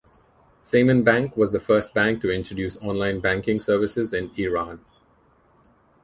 Saman Bank was the first bank to introduce online banking services in Iran.